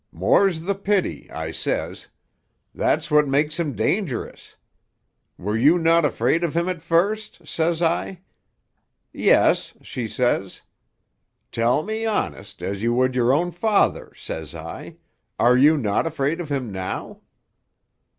'More's the pity,' I says. 'That's what makes him dangerous.' 'Were you not afraid of him at first?' says I. 'Yes,' she says. 'Tell me honest, as you would your own father,' says I, 'are you not afraid of him now?